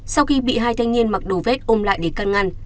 sau khi bị hai thanh niên mặc đồ vét ôm lại để căn ngăn